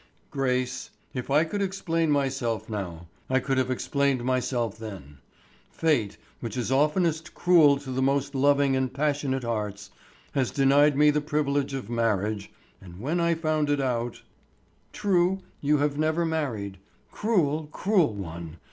"Grace, if I could explain myself now I could have explained myself then. Fate, which is oftenest cruel to the most loving and passionate hearts, has denied me the privilege of marriage, and when I found it out——" "True, you have never married. Cruel, cruel one!